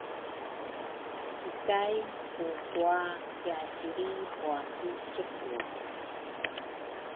Kikay kukua kiacilri pua ki cukui.